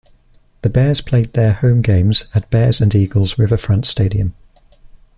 The Bears played their home games at Bears and Eagles Riverfront Stadium.